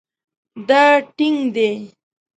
دا ټینګ دی